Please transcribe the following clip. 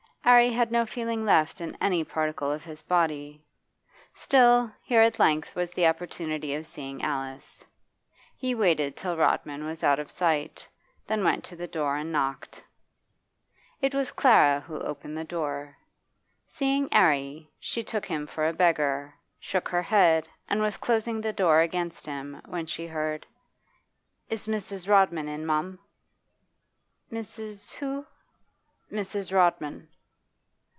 'Arry had no feeling left in any particle of his body. Still here at length was the opportunity of seeing Alice. He waited till Rodman was out of sight, then went to the door and knocked. It was Clara who opened the door. Seeing 'Arry, she took him for a beggar, shook her head, and was closing the door against him, when she heard 'Is Mrs. Rodman in, mum?' 'Mrs. who?' 'Mrs. Rodman.